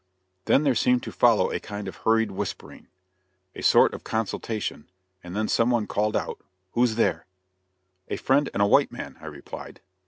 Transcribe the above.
Then there seemed to follow a kind of hurried whispering a sort of consultation and then some one called out: "Who's there?" "A friend and a white man," I replied.